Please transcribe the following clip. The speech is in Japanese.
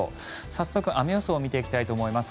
早速、雨予想を見ていきたいと思います。